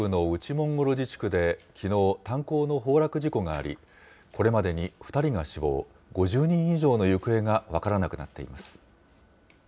モンゴル自治区できのう、炭鉱の崩落事故があり、これまでに２人が死亡、５０人以上の行方が分からなくなっています。